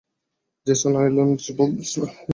Jason Orlan বলছি, chief of staff, America.